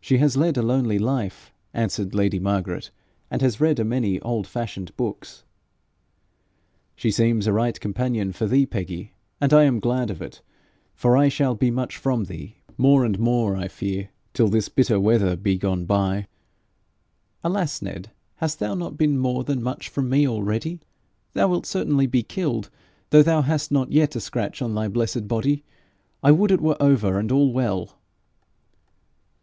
'She has led a lonely life,' answered lady Margaret, 'and has read a many old fashioned books.' 'She seems a right companion for thee, Peggy, and I am glad of it, for I shall be much from thee more and more, I fear, till this bitter weather be gone by.' 'Alas, Ned! hast thou not been more than much from me already? Thou wilt certainly be killed, though thou hast not yet a scratch on thy blessed body. I would it were over and all well!'